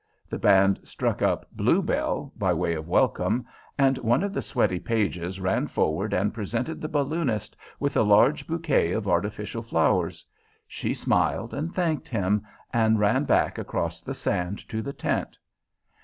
The band struck up "Blue Bell" by way of welcome, and one of the sweaty pages ran forward and presented the balloonist with a large bouquet of artificial flowers. She smiled and thanked him, and ran back across the sand to the tent.